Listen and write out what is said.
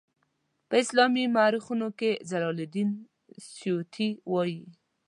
په اسلامي مورخینو کې جلال الدین سیوطي وایي.